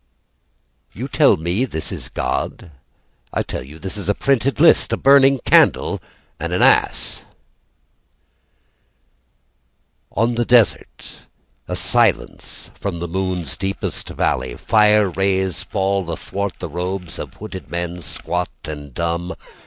You tell me this is God? I tell you this is a printed list, A burning candle and an ass. On the desert A silence from the moon's deepest valley. Fire rays fall athwart the robes Of hooded men, squat and dumb.